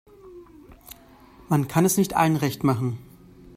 Man kann es nicht allen recht machen.